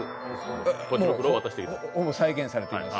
ほぼ再現されています。